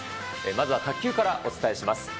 まずは卓球からお伝えします。